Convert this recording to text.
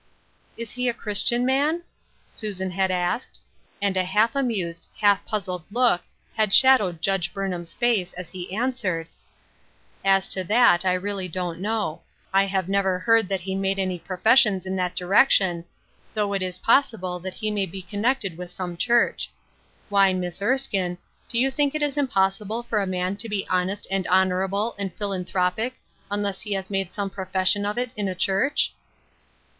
"Is he a Christian man ?" Susan had asked ; and a half amused, half puzzled look had shad owed Judge Burnham's face, as he answered :" As to that, I really don't know. I have never heard that he made any professions in that direc tion, though it is possible that he may be con nected with some church. Why, Miss Ei skine, Finding One's Calling, 136 do you think it impossible for a man to be hon est and honorable and philanthropic, unless he has made some profession of it in a church